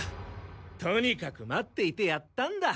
とにかく待っていてやったんだ。